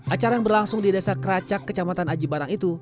acara yang berlangsung di desa keracak kecamatan aji barang itu